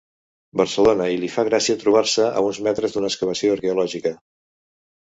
Barcelona i li fa gràcia trobar-se a uns metres d'una excavació arqueològica.